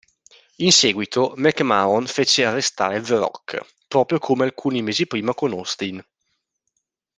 In seguito, McMahon fece arrestare The Rock, proprio come alcuni mesi prima con Austin.